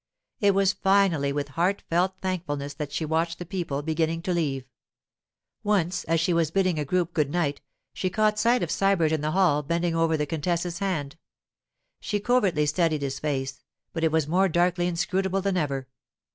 It was finally with heartfelt thankfulness that she watched the people beginning to leave. Once, as she was bidding a group good night, she caught sight of Sybert in the hall bending over the contessa's hand. She covertly studied his face, but it was more darkly inscrutable than ever.